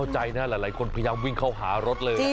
หลายคนพยายามวิ่งเข้าหารถเลย